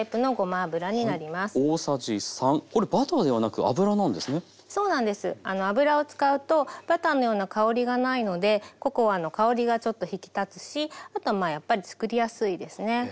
油を使うとバターのような香りがないのでココアの香りがちょっと引き立つしあとはまあやっぱりつくりやすいですね。